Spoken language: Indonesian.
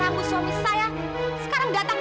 namun suami saya sekarang datang